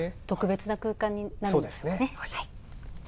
特別な空間になるんですね。